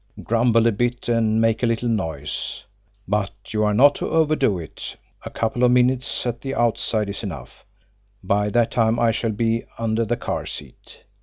Grumble a bit and make a little noise; but you are not to overdo it a couple of minutes at the outside is enough, by that time I shall be under the car seat.